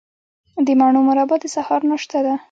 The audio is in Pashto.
د مڼو مربا د سهار ناشته ده.